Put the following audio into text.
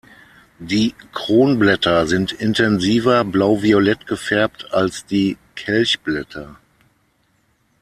Die Kronblätter sind intensiver blau-violett gefärbt als die Kelchblätter.